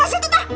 apa sih tut